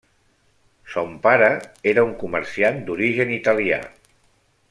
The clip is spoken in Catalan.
Son pare era un comerciant d'origen italià.